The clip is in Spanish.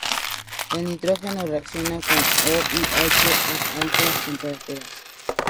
El nitrógeno reacciona con O y H a altas temperaturas.